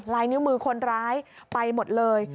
ลายนิ้วมือคนร้ายไปหมดเลย